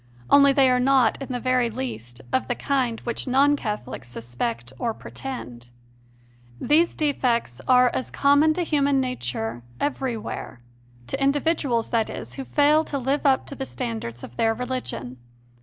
Only they are not, in the very least, of the kind which non Catholics suspect or pretend. These defects are such as are common to human nature everywhere to individuals, that is, who fail to live up to the standards of their religion.